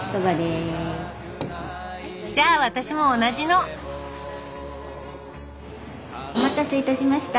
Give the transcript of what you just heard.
じゃあ私も同じのお待たせいたしました。